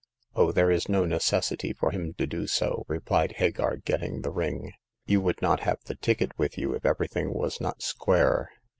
Oh, there is no necessity for him to do so," replied Hagar, getting the ring. You would not have the ticket with you if everything was not square.